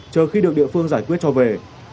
chờ khi được địa phương giải quyết cho về